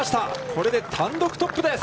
これで単独トップです。